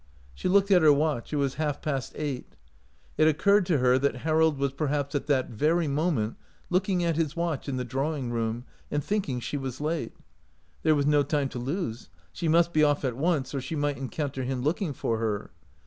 She looked at her watch ; it was half past eight. It occurred to her that Harold was perhaps at that very moment looking at his watch in the drawing room and thinking she was late. There was no time to lose ; she must be off at once, or she might encounter him looking for her.